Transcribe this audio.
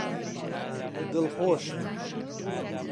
دڵخۆشم!